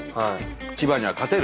千葉には勝てる？